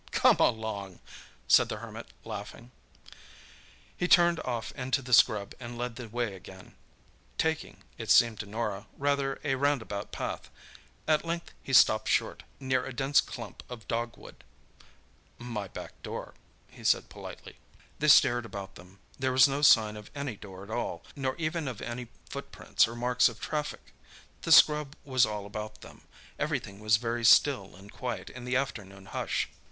"Come along," said the Hermit, laughing. He turned off into the scrub, and led the way again, taking, it seemed to Norah, rather a roundabout path. At length he stopped short, near a dense clump of dogwood. "My back door," he said politely. They stared about them. There was no sign of any door at all, nor even of any footprints or marks of traffic. The scrub was all about them; everything was very still and quiet in the afternoon hush.